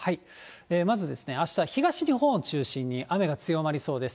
まずですね、あした東日本を中心に雨が強まりそうです。